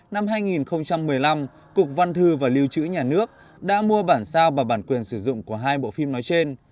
năm hai nghìn một mươi năm cục văn thư và lưu trữ nhà nước đã mua bản sao và bản quyền sử dụng của hai bộ phim nói trên